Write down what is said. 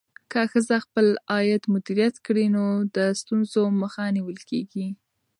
که ښځه خپل عاید مدیریت کړي، نو د ستونزو مخه نیول کېږي.